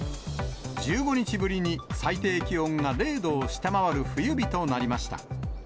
１５日ぶりに最低気温が０度を下回る冬日となりました。